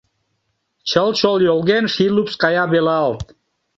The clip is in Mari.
Чыл-чол йолген, Ший лупс кая велалт.